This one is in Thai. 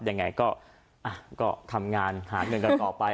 ยังไงก็ทำงานหาเงินกันต่อไป